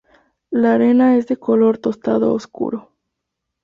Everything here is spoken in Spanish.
La arena es de color tostado oscuro.